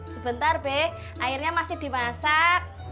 sebentar bek airnya masih dimasak